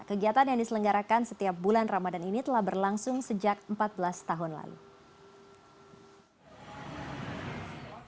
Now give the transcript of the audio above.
kegiatan yang diselenggarakan setiap bulan ramadan ini telah berlangsung sejak empat belas tahun lalu